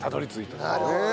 なるほど。